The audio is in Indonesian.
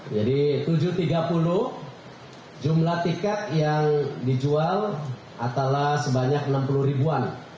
jadi tujuh tiga puluh jumlah tiket yang dijual adalah sebanyak enam puluh ribuan